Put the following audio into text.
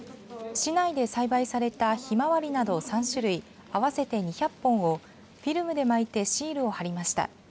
市内で栽培されたひまわりなど３種類合わせて２００本をフィルムで巻いてシールを貼りました。